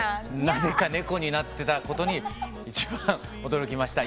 なぜかネコになってたことに一番驚きました。